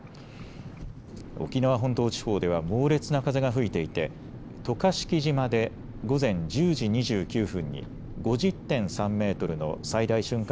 沖縄本島地方では猛烈な風が吹いていて渡嘉敷島で午前１０時２９分に５０．３メートルの最大瞬間